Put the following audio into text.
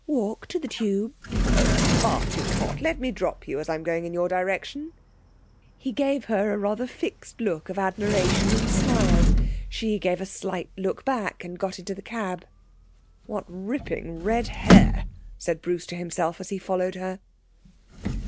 'Walk to the Tube.' 'Oh no; it's far too hot. Let me drop you, as I'm going in your direction.' He gave her a rather fixed look of admiration, and smiled. She gave a slight look back and got into the cab. 'What ripping red hair,' said Bruce to himself as he followed her.